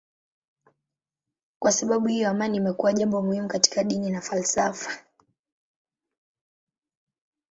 Kwa sababu hiyo amani imekuwa jambo muhimu katika dini na falsafa.